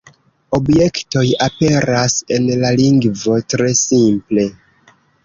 Objektoj aperas en la lingvo tre simple.